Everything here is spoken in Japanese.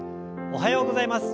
おはようございます。